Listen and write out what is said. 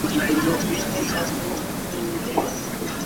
It is one of the largest locomotive manufacturers in the world.